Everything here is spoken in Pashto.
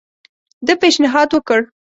ده پېشنهاد وکړ.